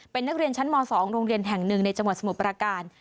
เป็นนักเรียนชั้นม๒โรงเรียนแห่งหนึ่งในจังหวัดสมุทรประการ